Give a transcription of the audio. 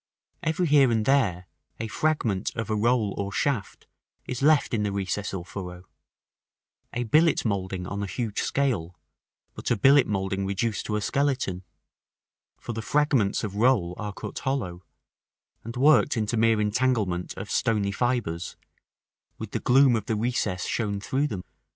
Every here and there, a fragment of a roll or shaft is left in the recess or furrow: a billet moulding on a huge scale, but a billet moulding reduced to a skeleton; for the fragments of roll are cut hollow, and worked into mere entanglement of stony fibres, with the gloom of the recess shown through them.